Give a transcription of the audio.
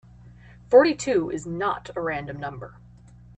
Forty-two is not a random number.